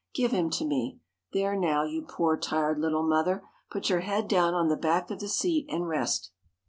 Give him to me! There, now! you poor, tired little mother, put your head down on the back of the seat, and rest!"